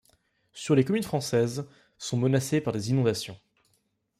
Sur les communes françaises, sont menacées par des inondations.